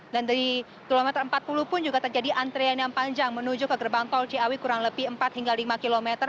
dan dari kilometer empat puluh pun juga terjadi antrian yang panjang menuju ke gerbang tol ciawi kurang lebih empat hingga lima kilometer